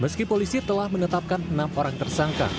meski polisi telah menetapkan enam orang tersangka